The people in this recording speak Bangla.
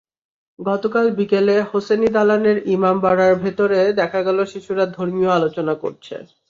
গতকাল বিকেলে হোসেনি দালানের ইমাম বাড়া ভেতরে দেখা গেল শিশুরা ধর্মীয় আলোচনা করছে।